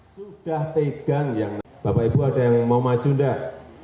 sudah pegang yang bapak ibu ada yang mau maju enggak